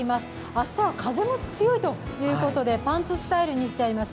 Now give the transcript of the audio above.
明日は風も強いということでパンツスタイルにしています。